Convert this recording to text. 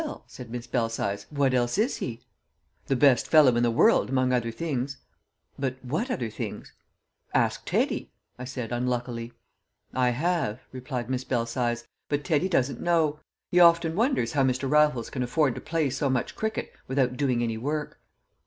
"Well," said Miss Belsize, "what else is he?" "The best fellow in the world, among other things." "But what other things?" "Ask Teddy!" I said unluckily. "I have," replied Miss Belsize. "But Teddy doesn't know. He often wonders how Mr. Raffles can afford to play so much cricket without doing any work."